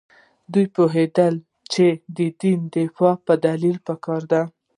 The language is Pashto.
دوی پوهېدل چې د دین دفاع په دلیل پکار ده.